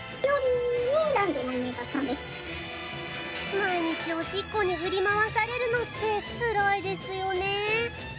毎日おしっこに振り回されるのってつらいですよね。